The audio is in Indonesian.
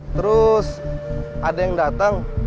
terus ada yang datang